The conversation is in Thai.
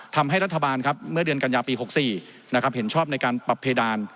ทำให้รัฐบาลครับเมื่อเดือนกันยาปี๖๔เห็นชอบในการปรับเพดาน